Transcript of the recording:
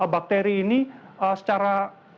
bakteri ini secara